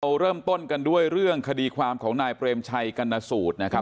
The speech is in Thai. เริ่มต้นกันด้วยเรื่องคดีความของนายเปรมชัยกรรณสูตรนะครับ